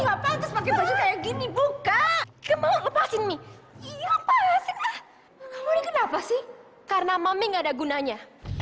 apaan pakai baju kayak gini buka kemau lepas ini lupa asli kenapa sih karena mami nggak ada gunanya